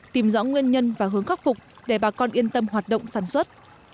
tìm rõ nguyên nhân và hướng khắc phục để bà con yên tâm hoạt động sản xuất